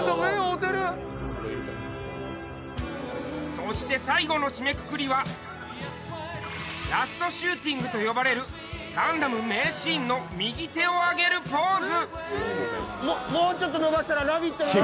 そして最後の締めくくりはラストシューティングと呼ばれるガンダム名シーンの右手を挙げるポーズ。